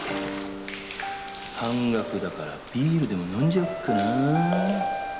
半額だからビールでも飲んじゃおっかな。